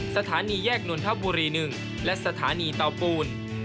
สถานีแยกนนทบุรี๑และสถานีเตาปูน